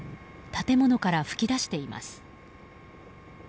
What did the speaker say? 建物から噴き出しています。